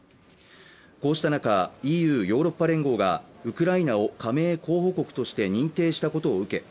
こうした中ＥＵヨーロッパ連合がウクライナを加盟候補国として認定したことを受け